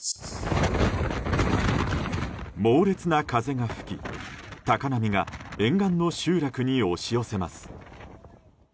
猛烈な風が吹き、高波が沿岸の集落に押し寄せます。